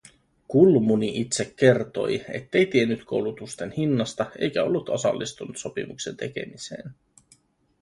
Kulmuni itse kertoi, ettei tiennyt koulutusten hinnasta eikä ollut osallistunut sopimuksen tekemiseen